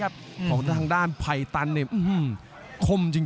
รับทราบบรรดาศักดิ์